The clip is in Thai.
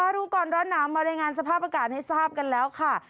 รู้ก่อนร้อนหนาวมารายงานสภาพอากาศให้ทราบกันแล้วค่ะ